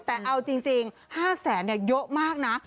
แต่เอาจริง๕แสนเยอะมากนะ